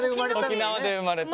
沖縄で生まれて。